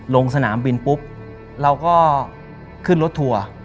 ลงสนามบินปุ๊บเราก็ขึ้นรถทัวร์